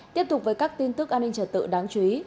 tiếp tục với các tin tức an ninh trở tự đáng chú ý